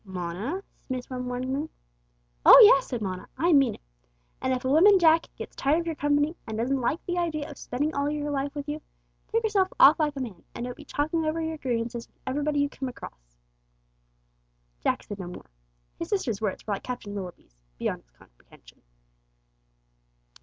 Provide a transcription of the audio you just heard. "Mona!" said Miss Webb warningly. "Oh yes," said Mona; "I mean it. And if a woman, Jack, gets tired of your company, and doesn't like the idea of spending all her life with you, take yourself off like a man, and don't be talking over your grievances with everybody you come across!" Jack said no more. His sister's words were like Captain Willoughby's, beyond his comprehension.